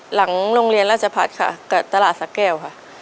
หลังโรงเรียนราชพัฒน์ค่ะกับตลาดสะแก้วค่ะ